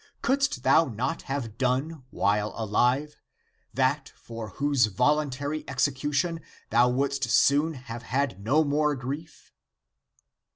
Couldst thou not have done, while ahve, that for whose voluntary execution thou wouldst soon have had no more grief